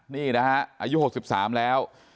นี่นะฮะอายุ๖๓แล้ว